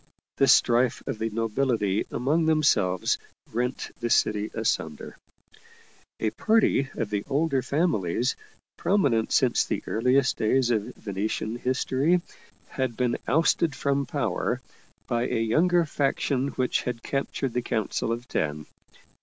The strife of the nobility among themselves rent the city asunder. A party of the older families, prominent since the earliest days of Venetian history, had been ousted from power by a younger faction which had captured the Council of Ten.